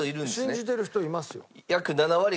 信じてる人います。